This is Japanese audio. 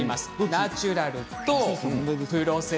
ナチュラルとプロセスチーズ。